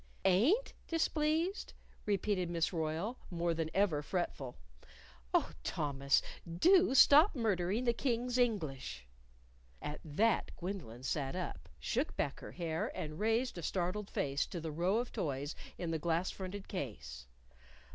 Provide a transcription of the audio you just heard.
"Ain't displeased?" repeated Miss Royle, more than ever fretful. "Oh, Thomas, do stop murdering the King's English!" At that Gwendolyn sat up, shook back her hair, and raised a startled face to the row of toys in the glass fronted case.